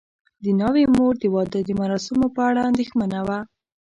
د ناوې مور د واده د مراسمو په اړه اندېښمنه وه.